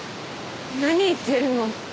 何言ってるの？